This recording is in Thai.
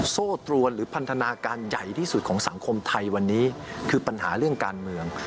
โซ่ตรวนหรือพันธนาการใหญ่ที่สุดของสังคมไทยวันนี้คือปัญหาเรื่องการเมือง